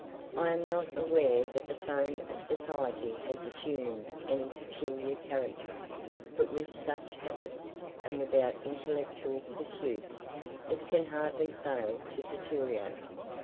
I am not aware that the tone of society has assumed any peculiar character; but with such habits, and without intellectual pursuits, it can hardly fail to deteriorate.